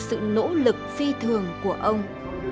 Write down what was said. sự nỗ lực phi thường của ông